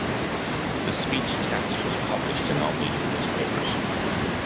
The speech text was published in all major newspapers.